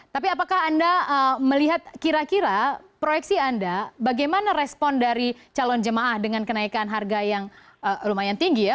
tapi apakah anda melihat kira kira proyeksi anda bagaimana respon dari calon jemaah dengan kenaikan harga yang lumayan tinggi ya